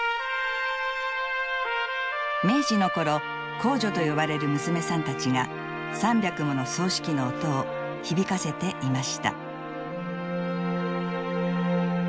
明治の頃工女と呼ばれる娘さんたちが３００もの繰糸機の音を響かせていました。